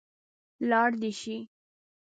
لاړ دې شي.